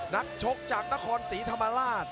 นักชกจากนครศรีธรรมราช